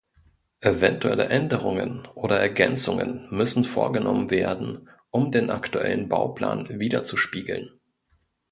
Eventuelle Änderungen oder Ergänzungen müssen vorgenommen werden, um den aktuellen Bauplan widerzuspiegeln.